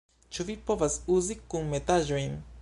Ĉu vi povas uzi kunmetaĵojn?